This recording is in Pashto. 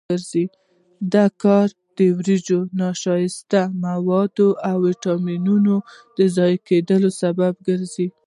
دا کار د وریجو د نشایستوي موادو او ویټامینونو د ضایع کېدو سبب ګرځي.